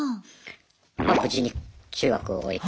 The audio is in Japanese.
まあ無事に中学を終えて。